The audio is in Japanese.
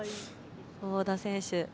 江田選手。